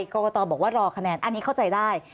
กรกตบอกว่ารอคะแนนอันนี้เข้าใจได้